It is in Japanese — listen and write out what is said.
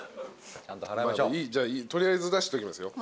じゃあ取りあえず出しておきますよ。